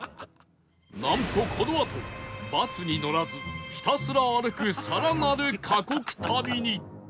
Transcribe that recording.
なんとこのあとバスに乗らずひたすら歩く更なる過酷旅に